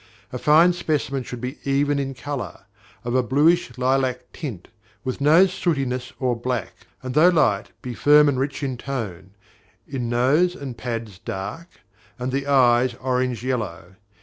A fine specimen should be even in colour, of a bluish lilac tint, with no sootiness or black, and though light be firm and rich in tone, the nose and pads dark, and the eyes orange yellow.